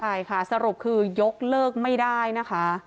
ใช่ค่ะสรุปคือยกเลิกไม่ได้นะคะ